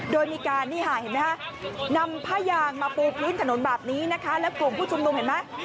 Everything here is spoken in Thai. โดยมีการนี่ค่ะเห็นไหมคะนำผ้ายางมาปูพื้นถนนแบบนี้นะคะแล้วกลุ่มผู้ชุมนุมเห็นไหม